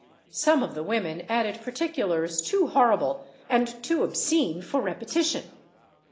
Some of the women added particulars too horrible and too obscene for repetition.